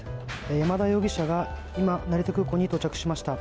山田容疑者が今、成田空港に到着しました。